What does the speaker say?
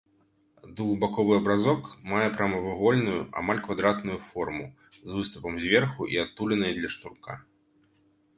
Двухбаковы абразок мае прамавугольную, амаль квадратную форму з выступам зверху і адтулінай для шнурка.